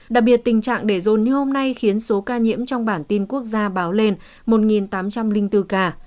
đặc biệt tình trạng để rồn như hôm nay khiến số ca nhiễm trong bản tin quốc gia báo lên một tám trăm linh bốn ca